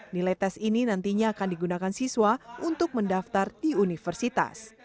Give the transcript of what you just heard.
nilai tes ini nantinya akan digunakan siswa untuk mendaftar di universitas